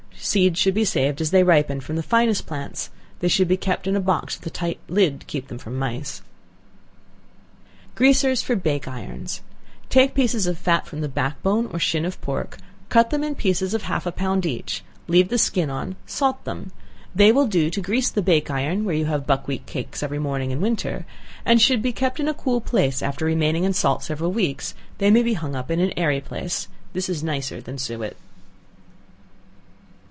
Seeds should be saved as they ripen, from the finest plants; they should be kept in a box with a tight lid to keep them from mice. Greasers for Bake irons. Take pieces of fat from the back bone, or chine of pork; cut them in pieces of half a pound each; leave the skin on; salt them. They will do to grease the bake iron where you have buckwheat cakes every morning in winter, and should be kept in a cool place; after remaining in salt several weeks, they may be hung up in an airy place. This is nicer than suet.